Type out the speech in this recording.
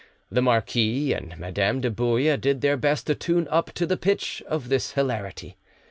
The marquis and Madame de Bouille did their best to tune up to the pitch of this hilarity.